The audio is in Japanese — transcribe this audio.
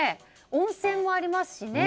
温泉もありますし。